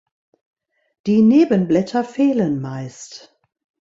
Die Nebenblätter fehlen meist.